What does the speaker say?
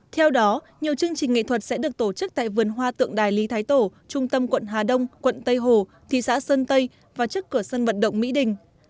theo đó nhiều chương trình nghệ thuật sẽ được tổ chức tại vườn hoa tượng đài lý thái tổ trung tâm quận hà đông quận tây hồ thị xã sơn tây và trước cửa sân vận động mỹ đình